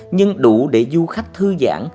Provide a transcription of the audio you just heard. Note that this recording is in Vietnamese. nhưng đủ để du khách thư giãn